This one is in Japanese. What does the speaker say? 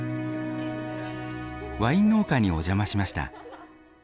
ワイン農家にお邪魔しました。